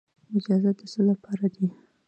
مجازات د څه لپاره دي؟